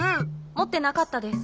もってなかったです。